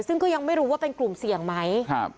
ซึ่งก็ยังไม่รู้ว่าเป็นกลุ่มเสี่ยงไหม